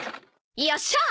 よっしゃー！